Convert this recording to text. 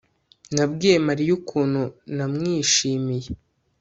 Nabwiye Mariya ukuntu namwishimiye